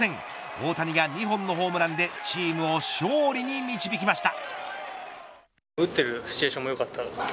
大谷が２本のホームランでチームを勝利に導きました。